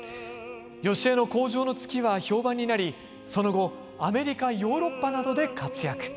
義江の「荒城の月」は評判になりその後アメリカヨーロッパなどで活躍。